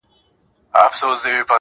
درته گران نه يمه زه,